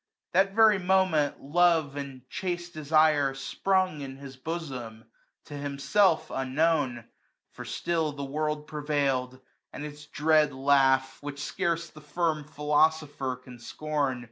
230 That very moment love and chaste desire Sprung in his bosom, to himself unknown ; For still the world prevailed, and its dread laugh. Which scarce the firm philosopher can scorn.